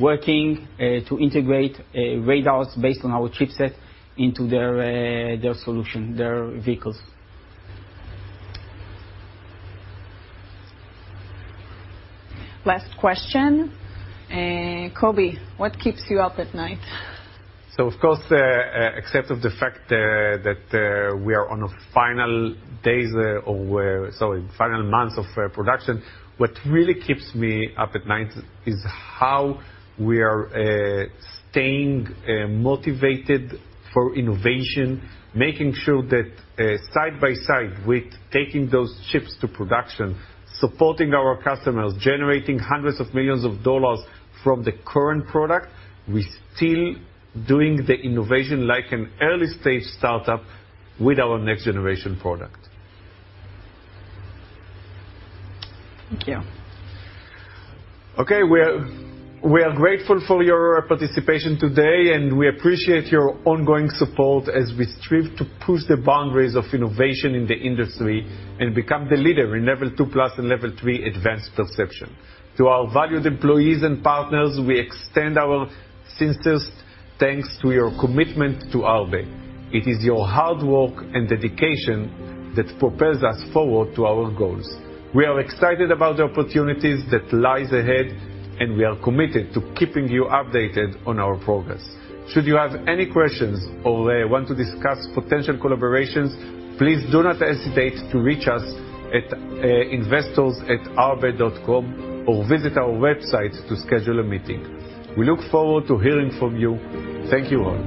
working to integrate radars based on our chipset into their their solution, their vehicles.
Last question. Kobi, what keeps you up at night?
Of course, except of the fact that we are on the final months of production, what really keeps me up at night is how we are staying motivated for innovation, making sure that side by side with taking those chips to production, supporting our customers, generating hundreds of millions of dollars from the current product, we still doing the innovation like an early-stage startup with our next-generation product.
Thank you.
We are grateful for your participation today, and we appreciate your ongoing support as we strive to push the boundaries of innovation in the industry and become the leader in Level 2+ and Level 3 advanced perception. To our valued employees and partners, we extend our sincerest thanks to your commitment to Arbe. It is your hard work and dedication that propels us forward to our goals. We are excited about the opportunities that lies ahead, and we are committed to keeping you updated on our progress. Should you have any questions or want to discuss potential collaborations, please do not hesitate to reach us at investors@arbe.com or visit our website to schedule a meeting. We look forward to hearing from you. Thank you all.